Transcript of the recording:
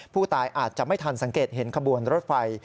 ผู้ตายอาจจะไม่ทันสังเกตเห็นขบวนรถไฟ